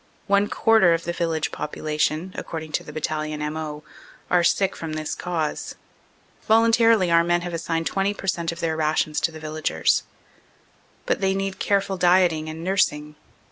One quarter of the village popula tion, according to the Battalion M.O., are sick from this cause. Voluntarily our men have assigned 20 per cent, of their rations to the villagers. But they need careful dieting and nursing.